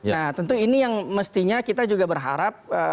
nah tentu ini yang mestinya kita juga berharap